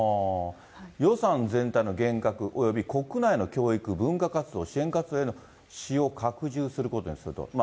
予算全体の減額、および国内の教育、文化活動、支援活動への使用を拡充することいたしますと。